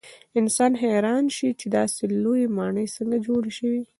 انسان حیران شي چې داسې لویې ماڼۍ څنګه جوړې شوې.